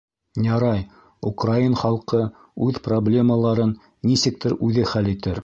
Ярай, украин халҡы үҙ проблемаларын нисектер үҙе хәл итер.